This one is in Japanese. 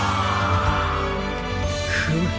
フム。